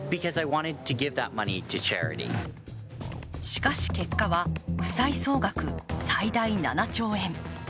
しかし結果は、負債総額最大７兆円。